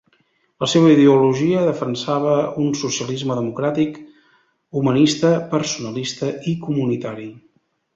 La seva ideologia defensava un socialisme democràtic, humanista, personalista i comunitari.